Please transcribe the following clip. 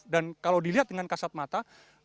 dan kalau dilihat dengan kasat mata